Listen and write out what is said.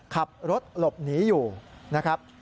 ขับรถหลบหนีอยู่นะครับ